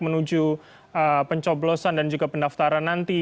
menuju pencoblosan dan juga pendaftaran nanti